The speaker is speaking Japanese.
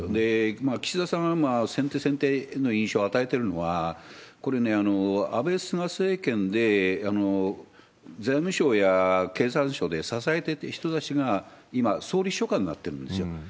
岸田さんは先手先手の印象与えてるのは、これね、安倍、菅政権で財務省や経産省で支えてた人たちが今、総理秘書官になってるんですよ。